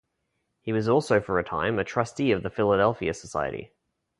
He was also for a time a trustee of the Philadelphia Society.